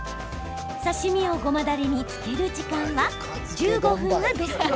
刺身をごまだれに漬ける時間は１５分がベスト。